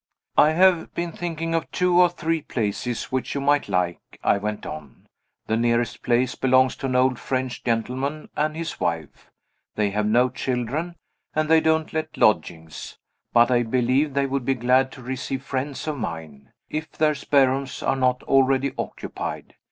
"I have been thinking of two or three places which you might like," I went on. "The nearest place belongs to an old French gentleman and his wife. They have no children, and they don't let lodgings; but I believe they would be glad to receive friends of mine, if their spare rooms are not already occupied.